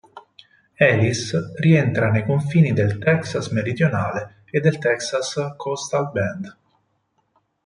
Alice rientra nei confini del Texas meridionale e del Texas Coastal Bend.